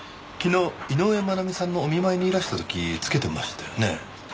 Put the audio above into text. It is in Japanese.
昨日井上真奈美さんのお見舞いにいらした時付けてましたよね？